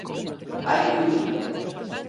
Hai que unir.